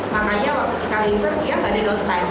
makanya waktu kita laser dia gak ada downtime